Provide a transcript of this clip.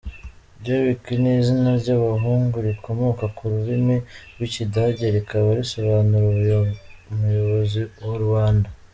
Derrick ni izinary’abahungu rikomoka ku rurimi rw’Ikidage rikaba risobanura “umuyobozi wa rubanda”.